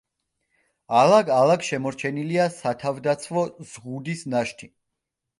ალაგ-ალაგ შემორჩენილია სათავდაცვო ზღუდის ნაშთი.